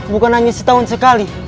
bukan hanya setahun sekali